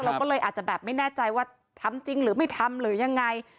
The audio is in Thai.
เราก็เลยอาจจะแบบไม่แน่ใจว่าทำจริงหรือไม่ทำหรือยังไง